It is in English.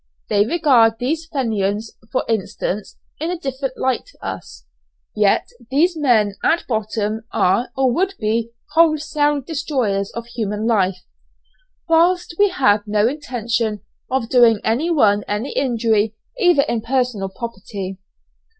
They regard these Fenians for instance in a different light to us, yet these men at bottom are or would be wholesale destroyers of human life, whilst we had no intention of doing anyone any injury either in person or property.